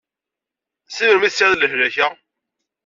Seg melmi i tesɛiḍ lehlak-a?